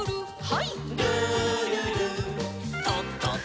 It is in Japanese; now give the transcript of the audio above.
はい。